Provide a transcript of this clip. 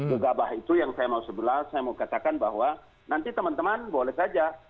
gegabah itu yang saya mau sebelah saya mau katakan bahwa nanti teman teman boleh saja